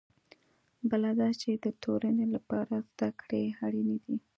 بله دا چې د تورنۍ لپاره زده کړې اړینې دي.